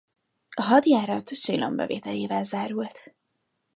A hadjárat Chillon bevételével zárult.